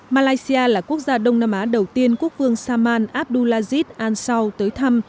malaysia là quốc gia đông nam á đầu tiên quốc vương saman abdulaziz ansau tới thăm